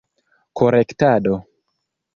korektado